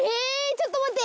ちょっと待って。